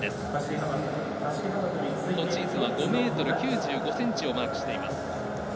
今シーズンは５ｍ９５ｃｍをマークしています。